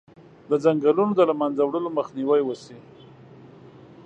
د ځنګلونو د له منځه وړلو مخنیوی وشي.